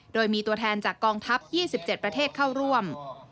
โดยมีตัวแทนจากกองทัพ๒๗ประเทศเข้าร่วม